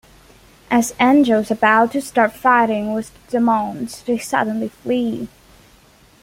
As Angel's about to start fighting with the demons they suddenly flee.